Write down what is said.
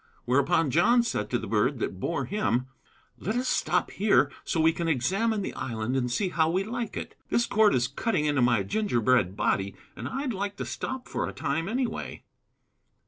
Whereupon John said to the bird that bore him: "Let us stop here, so we can examine the island and see how we like it. This cord is cutting into my gingerbread body, and I'd like to stop for a time, anyway."